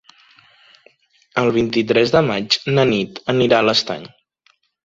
El vint-i-tres de maig na Nit anirà a l'Estany.